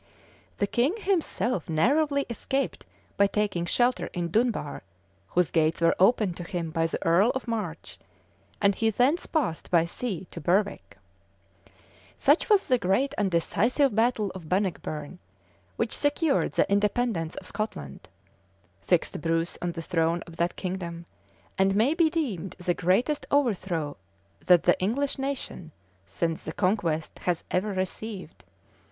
The king himself narrowly escaped by taking shelter in Dunbar, whose gates were opened to him by the earl of March; and he thence passed by sea to Berwick. * Ypod. Neust. p. 501. Such was the great and decisive battle of Bannockburn, which secured the independence of Scotland, fixed Bruce on the throne of that kingdom, and may be deemed the greatest overthrow that the English nation, since the conquest, has ever received.